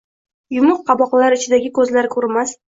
Yumuq qaboqlari ichidagi ko’zlari ko’rmas.